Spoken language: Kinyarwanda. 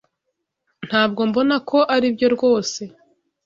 Ntabwo mbona ko aribyo rwose.